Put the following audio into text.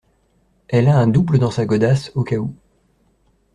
elle a un double dans sa godasse, au cas où.